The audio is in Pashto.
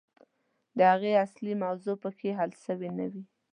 د هغې اصلي موضوع پکښې حل سوې نه وي.